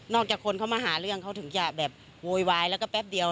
จากคนเขามาหาเรื่องเขาถึงจะแบบโวยวายแล้วก็แป๊บเดียว